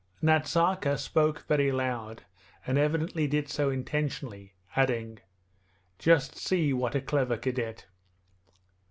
Nazarka spoke very loud, and evidently did so intentionally, adding: 'Just see what a clever cadet!'